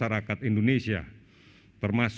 banyak juga seumur hidup desa deskripsi